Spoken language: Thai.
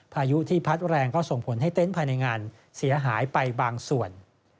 พายุที่พัดแรงก็ส่งผลให้เต็นต์ภายในงานเสียหายไปบางส่วน